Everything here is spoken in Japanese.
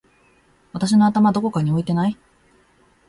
私の頭どこかに置いてない？！